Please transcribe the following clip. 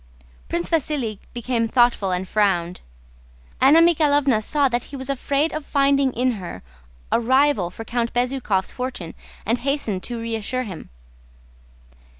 Prince Vasíli became thoughtful and frowned. Anna Mikháylovna saw that he was afraid of finding in her a rival for Count Bezúkhov's fortune, and hastened to reassure him.